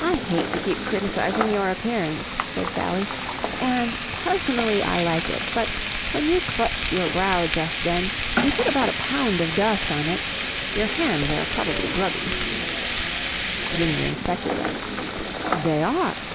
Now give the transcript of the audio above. "I hate to keep criticizing your appearance," said Sally, "and personally I like it; but, when you clutched your brow just then, you put about a pound of dust on it. Your hands are probably grubby." Ginger inspected them. "They are!"